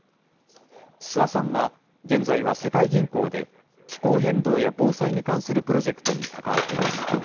諏訪さんは、現在は世界銀行で、気候変動や防災に関するプロジェクトに関わっています。